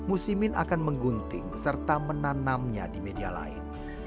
musimin akan menggunting serta menanamnya di media lain